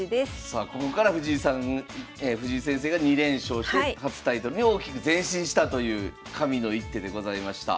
さあここから藤井先生が２連勝して初タイトルに大きく前進したという「神の一手」でございました。